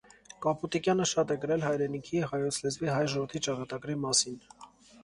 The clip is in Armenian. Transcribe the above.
Կապուտիկյանը շատ է գրել հայրենիքի, հայոց լեզվի, հայ ժողովրդի ճակատագրի մասին։